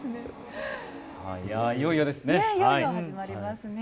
いよいよですね。